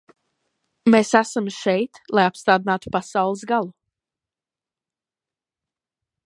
Mēs esam šeit, lai apstādinātu pasaules galu.